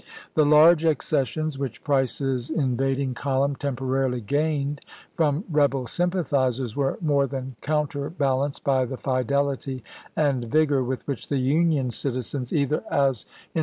ibid.,p.5i4. The large accessions which Price's invading column temporarily gained from rebel sympathizers were more than counterbalanced by the fidelity and vigor with which the Union citizens, either as 480 ABBAHAM LINCOLN Chap.